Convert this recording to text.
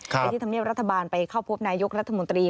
ไปที่ธรรมเนียบรัฐบาลไปเข้าพบนายกรัฐมนตรี